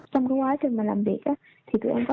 trong quá trình làm việc